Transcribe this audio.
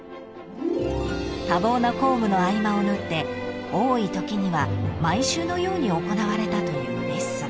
［多忙な公務の合間を縫って多いときには毎週のように行われたというレッスン］